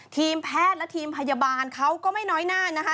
ทีมแพทย์และทีมพยาบาลเขาก็ไม่น้อยหน้านะคะ